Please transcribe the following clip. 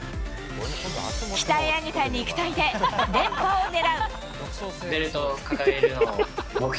鍛え上げた肉体で連覇を狙う。